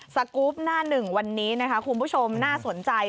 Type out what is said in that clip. สกรูปหน้าหนึ่งวันนี้นะคะคุณผู้ชมน่าสนใจ